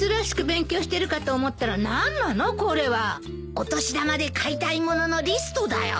お年玉で買いたい物のリストだよ。